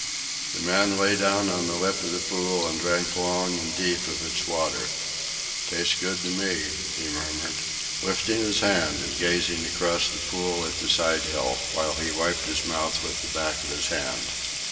The man lay down on the lip of the pool and drank long and deep of its water. "Tastes good to me," he murmured, lifting his head and gazing across the pool at the side hill, while he wiped his mouth with the back of his hand.